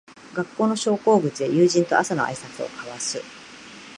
学校の昇降口で友人と朝のあいさつを交わす